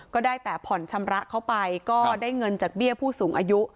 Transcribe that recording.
ก็ได้แต่ผ่อนชำระเข้าไปก็ได้เงินจากเบี้ยผู้สูงอายุ